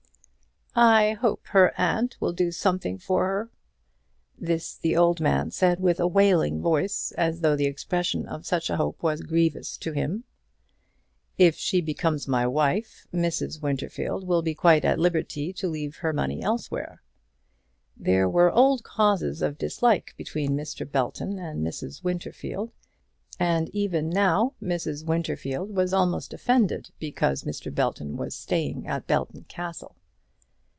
"I hope her aunt will do something for her." This the old man said in a wailing voice, as though the expression of such a hope was grievous to him. "If she becomes my wife, Mrs. Winterfield will be quite at liberty to leave her money elsewhere." There were old causes of dislike between Mr. Belton and Mrs. Winterfield, and even now Mrs. Winterfield was almost offended because Mr. Belton was staying at Belton Castle.